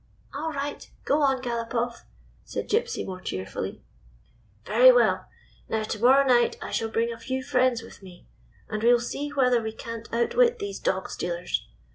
"All right. Go on, Galopoff," said Gypsy, more cheerfully. "Very well. Now, to morrow night I shall bring a few friends with me, and we will see whether we can't outwit these dog stealers.